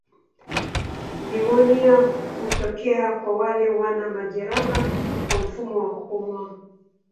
Nimonia hutokea kwa wale wana majeraha kwa mfumo wa kupumua.